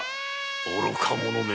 愚か者め。